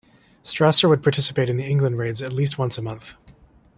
Strasser would participate in the England raids at least once a month.